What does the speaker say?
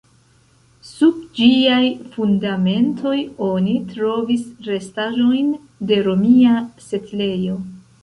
Sub ĝiaj fundamentoj oni trovis restaĵojn de romia setlejo.